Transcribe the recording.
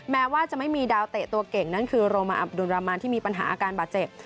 แม้ว่าจะไม่มีดาวเตะตัวเก่งนั่นคือโรมาอับดุลรามานที่มีปัญหาอาการบาดเจ็บ